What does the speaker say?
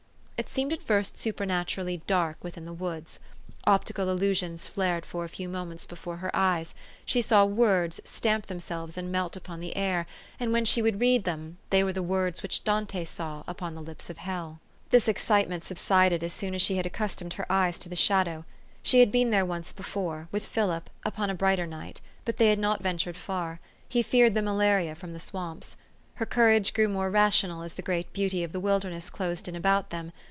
It seemed at first supernaturally dark within the woods. Optical illusions flared for a few moments before her eyes ; she saw words stamp themselves 436 THE STORY OF AVIS. and melt upon the air, and when she would read them, they were the words which Dante saw upon the lips of hell. This excitement subsided as soon as she had accustomed her eyes to the shadow. She had been there once before with Philip upon a brighter night ; but they had not ventured far : he feared the malaria from the swamps. Her cour age grew more rational as the great beauty of the wilderness closed in about them.